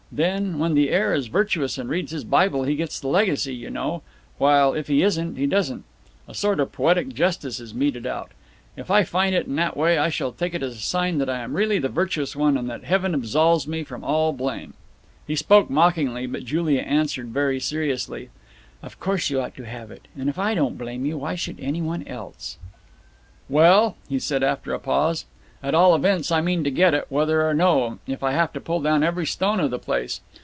Then, when the heir is virtuous and reads his Bible, he gets the legacy, you know; while, if he isn't, he doesn't. A sort of poetic justice is meted out. If I find it in that way I shall take it as a sign that I am really the virtuous one and that Heaven absolves me from all blame." He spoke mockingly, but Julia answered very seriously: "Of course you ought to have it; and if I don't blame you, why should anyone else?" "Well," he said after a pause, "at all events I mean to get it, whether or no, if I have to pull down every stone of the place.